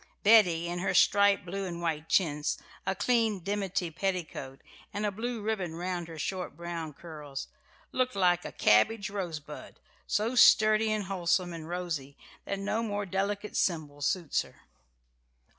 Betty, in her striped blue and white chintz, a clean dimity petticoat, and a blue ribbon round her short brown curls, looked like a cabbage rosebud so sturdy and wholesome and rosy that no more delicate symbol suits her.